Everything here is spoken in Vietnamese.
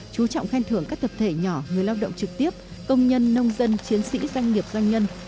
chú trọng khen thưởng các tập thể nhỏ người lao động trực tiếp công nhân nông dân chiến sĩ doanh nghiệp doanh nhân